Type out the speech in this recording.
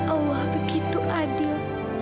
allah begitu adil